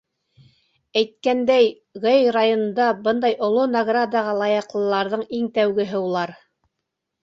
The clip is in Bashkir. Әйткәндәй, Гай районында бындай оло наградаға лайыҡтарҙың иң тәүгеһе улар.